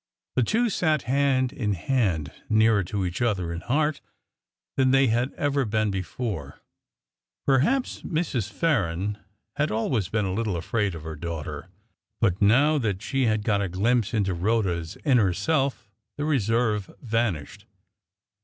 The two sat hand in hand, nearer to each other in heart than they had ever been before. Perhaps Mrs. Farren had always been a little afraid of her daughter; but now that she had got a glimpse into Rhoda's inner self the reserve vanished.